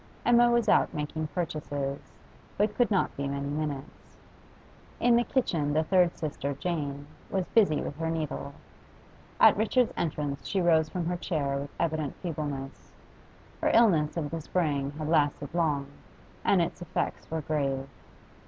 Emma was out making purchases, but could not be many minutes. In the kitchen the third sister, Jane, was busy with her needle; at Richard's entrance she rose from her chair with evident feebleness: her illness of the spring had lasted long, and its effects were grave.